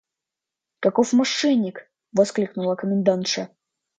– Каков мошенник! – воскликнула комендантша.